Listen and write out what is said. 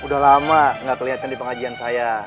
udah lama gak kelihatan di pengajian saya